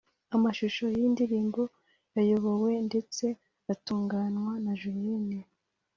Amashusho y’iyi ndirimbo yayobowe ndetse atunganywa na Julien